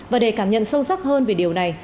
và để cảm nhận sâu sắc hơn về điều này